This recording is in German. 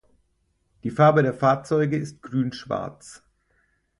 Die Farbe der Fahrzeuge ist grün-schwarz.